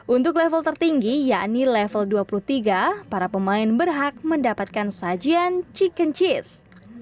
untuk level tertinggi yakni level dua puluh tiga para pemain berhak mendapatkan sajian chicken cheese